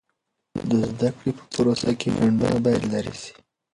د زده کړې په پروسه کې خنډونه باید لیرې سي.